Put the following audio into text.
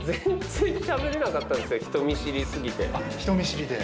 あっ人見知りで。